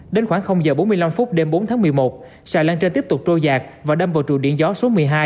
đến khoảng h bốn mươi năm phút đêm bốn tháng một mươi một xà lan trên tiếp tục trôi giạc và đâm vào trụ điện gió số một mươi hai